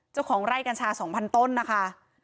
เจ้าของไร่กัญชาสองพันต้นนะคะ